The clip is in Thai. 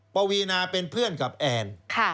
ปวีนาเป็นเพื่อนกับแอน